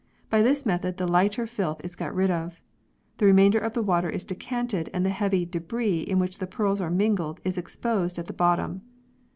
By this method the lighter filth is got rid of. The remainder of the water is decanted and the heavy debris in which the pearls are mingled is exposed at the bottom.